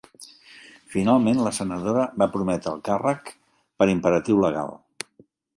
Finalment la senadora va prometre el càrrec per imperatiu legal